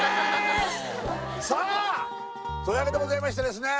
さあというわけでございましてですね